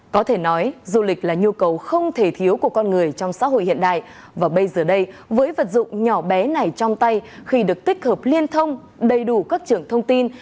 có thể nói du lịch là nhu cầu không thể thiếu của con người trong xã hội hiện đại và bây giờ đây với vật dụng nhỏ bé này trong tay khi được tích hợp liên thông đầy đủ các trưởng thông tin